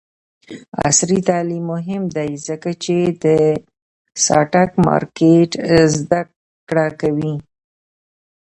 عصري تعلیم مهم دی ځکه چې د سټاک مارکیټ زدکړه کوي.